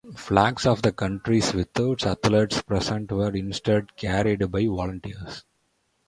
Flags of the countries without athletes present were instead carried by volunteers.